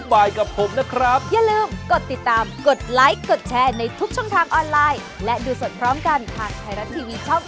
โปรดติดตามตอนต่อไป